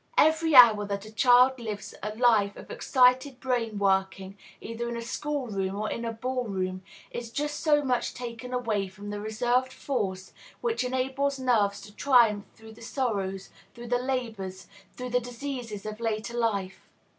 Every hour that a child lives a life of excited brain working, either in a school room or in a ball room, is just so much taken away from the reserved force which enables nerves to triumph through the sorrows, through the labors, through the diseases of later life.